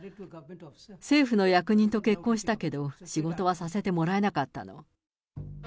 政府の役人と結婚したけど、仕事はさせてもらえなかったの。